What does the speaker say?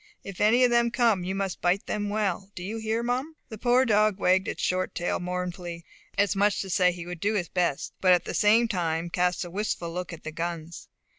If any of them come you must bite them well; do you hear, Mum?" The poor dog wagged his short tail mournfully, as much as to say he would do his best; but at the same time cast a wistful look at the guns.